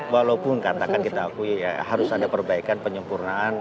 walaupun katakan kita harus ada perbaikan penyempurnaan